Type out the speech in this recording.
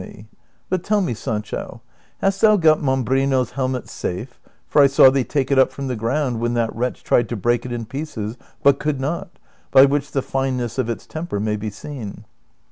193 But tell me, Sancho, hast thou got Mambriuo's helmet safe ; •for I saw thee take it up from the ground when that Avretch tried to break it in pieces but could not, by which the fineness of its temper may be seen